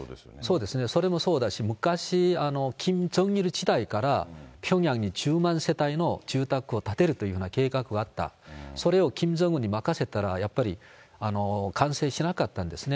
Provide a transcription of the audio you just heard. そうですね、それもそうだし、昔、キム・ジョンイル時代から、ピョンヤンに１０万世帯の住宅を建てるというふうな計画があった、それをキム・ジョンウンに任せたら、やっぱり完成しなかったんですね。